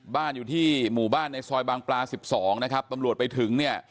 บ้านอยู่ที่สอยบางปลา๑๒ปำรวจไปถึง